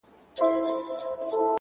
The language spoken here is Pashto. بریا له کوچنیو عادتونو جوړیږي,